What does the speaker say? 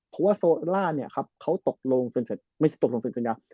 เพราะว่าโซล่าเค้าตกลงไม่ตกลงเสียงสัญญา